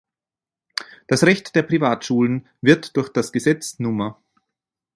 Das Recht der Privatschulen wird durch das Gesetz Nr.